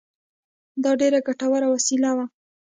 دا ډېره ګټوره وسیله وه.